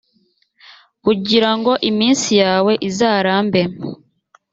kugira ngo iminsi yawe izarambe,